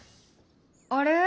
あれ？